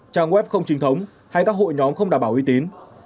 trang web không trình thống hay các hội nhóm không đảm bảo uy tín